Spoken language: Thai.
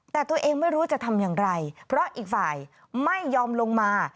แต่ตัวเองไม่รู้จะทำอย่างไรเพราะอีกฝ่ายไม่ยอมลงมา